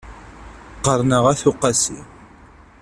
Qqaṛen-aɣ At Uqasi.